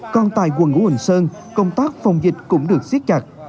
còn tại quận nguồn sơn công tác phòng dịch cũng được xiết chặt